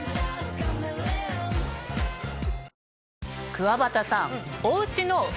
くわばたさん。